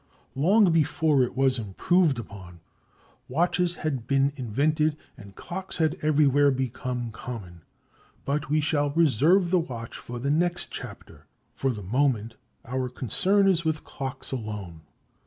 Long before it was improved upon, watches had been invented and clocks had everywhere become common. But we shall reserve the watch for the next chapter; for the moment, our concern is with clocks alone.